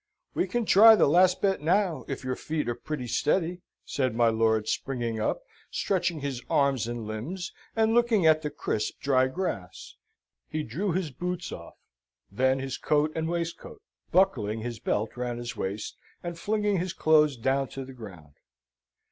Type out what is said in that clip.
"We can try the last bet now, if your feet are pretty steady," said my lord, springing up, stretching his arms and limbs, and looking at the crisp, dry grass. He drew his boots off, then his coat and waistcoat, buckling his belt round his waist, and flinging his clothes down to the ground.